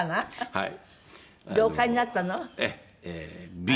はい。